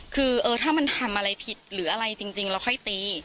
คือถ้ามันทำอะไรผิดหรืออะไรจริงเราค่อยตี